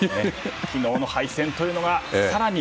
昨日の敗戦というのは更に。